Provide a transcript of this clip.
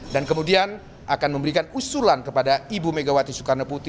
dan kemudian akan memberikan usulan kepada ibu megawati soekarnoputri